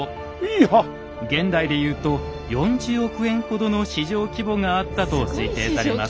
現代で言うと４０億円ほどの市場規模があったと推定されます。